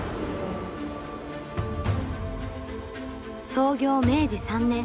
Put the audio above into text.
創業明治３年。